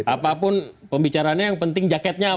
apapun pembicaraannya yang penting jaketnya apa